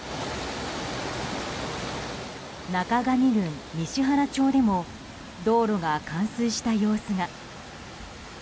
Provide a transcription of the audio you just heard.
中頭郡西原町でも道路が冠水した様子が。